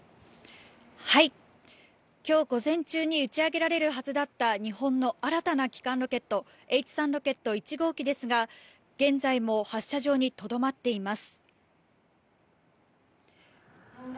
きょう午前中に打ち上げられるはずだった、日本の新たな基幹ロケット、Ｈ３ロケット１号機ですが、現在も発射場にとどまっています。